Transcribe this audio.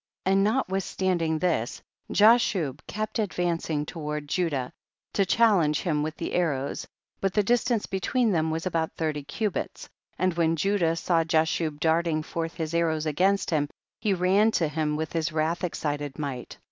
31. And notwithstanding this, Ja shub kept advancing toward Judah, to challenge him with the arrows, but the distance between them was about thirty cubits, and when Judah saw Jashub darling forth his arrows against him, he ran to him with his wrath excited might.